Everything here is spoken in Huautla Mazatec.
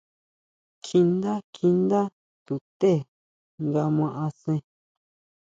Kjiʼndá, kjiʼndá tuté nga ma asen.